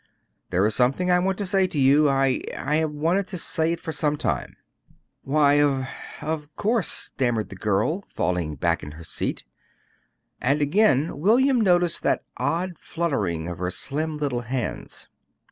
"There is something I want to say to you. I I have wanted to say it for some time." "Why, of of course," stammered the girl, falling back in her seat. And again William noticed that odd fluttering of the slim little hands.